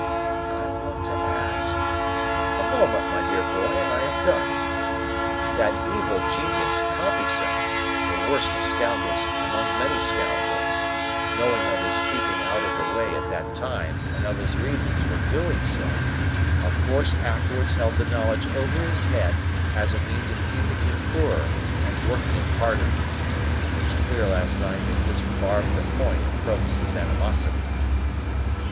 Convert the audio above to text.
"I want to ask—" "A moment, my dear boy, and I have done. That evil genius, Compeyson, the worst of scoundrels among many scoundrels, knowing of his keeping out of the way at that time and of his reasons for doing so, of course afterwards held the knowledge over his head as a means of keeping him poorer and working him harder. It was clear last night that this barbed the point of Provis's animosity."